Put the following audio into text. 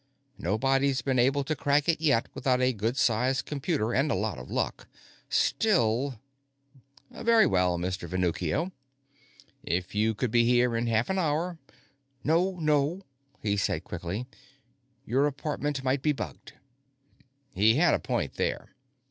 Nobody's been able to crack it yet without a good sized computer and a lot of luck. Still "Very well, Mr. Venuccio; if you could be here in half an hour " "No, no," he said quickly. "Your apartment might be bugged." He had a point there.